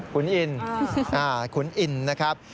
ขุนอินนะครับคุณอินนะครับ